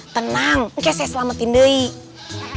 tenang ini saya selamatin dia